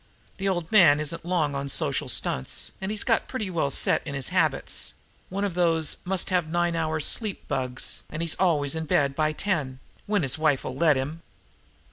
The old man isn't long on social stunts, and he's got pretty well set in his habits; one of those must have nine hours' sleep bugs, and he's always in bed by ten when his wife'll let him.